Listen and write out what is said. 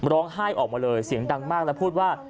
ร้องไห้ออกมาเลยเสียงดังมากแล้วพูดว่า